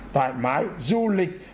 thoải mái du lịch